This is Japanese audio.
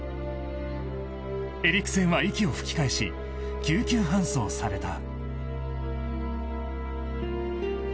エリクセンは息を吹き返し救急搬送された。